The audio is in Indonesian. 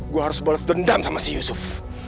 gua harus bales dendam sama si yusuf